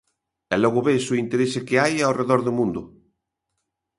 E logo ves o interese que hai ao redor do mundo.